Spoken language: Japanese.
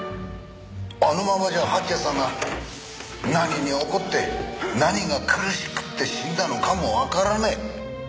あのままじゃ蜂矢さんが何に怒って何が苦しくて死んだのかもわからねえ。